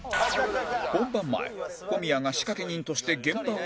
本番前小宮が仕掛け人として現場を下見に